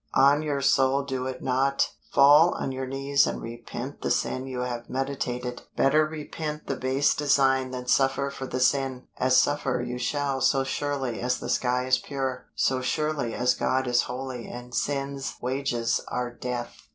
on your soul do it not! fall on your knees and repent the sin you have meditated; better repent the base design than suffer for the sin, as suffer you shall so surely as the sky is pure, so surely as God is holy and sin's wages are death."